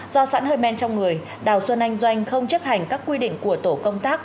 do sẵn hơi men trong người đào xuân anh doanh không chấp hành các quy định của tổ công tác